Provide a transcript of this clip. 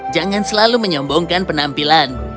jangan selalu menyombongkan penampilan